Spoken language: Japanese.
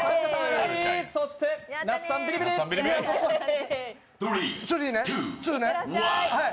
そして那須さんビリビリ。